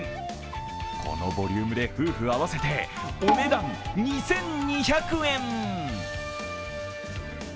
このボリュームで夫婦合わせてお値段２２００円。